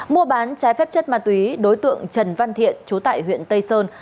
mua bán trái phép chất ma túy đối tượng trần văn thiện chú tại huyện tây sơn